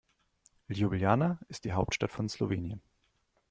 Ljubljana ist die Hauptstadt von Slowenien.